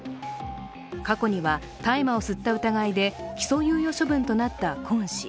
過去には大麻を吸った疑いで起訴猶予処分となったクォン氏。